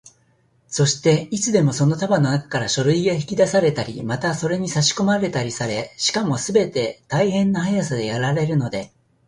そして、いつでもその束のなかから書類が引き出されたり、またそれにさしこまれたりされ、しかもすべて大変な速さでやられるので、